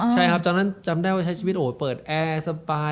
ใช่ครับตอนนั้นจำได้ว่าใช้ชีวิตโอ้ยเปิดแอร์สปาย